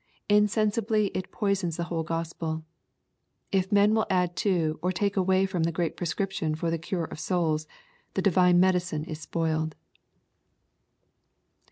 Insensibly it poisons the whole Gospel. If men will add to or take away from the great prescription for the cure of souls, the divine medicine is spoiled.